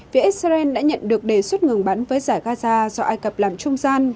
phía israel đã nhận được đề xuất ngừng bắn với giải gaza do ai cập làm trung gian